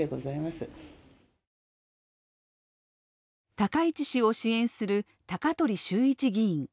高市氏を支援する高鳥修一議員。